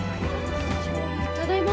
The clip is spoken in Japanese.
ただいま。